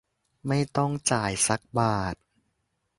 ไม่ต้องจ่ายสักบาท